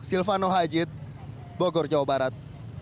silvano hajid bogor jawa barat